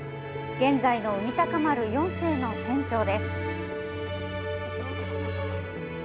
現在の海鷹丸４世の船長です。